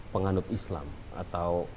penganut islam atau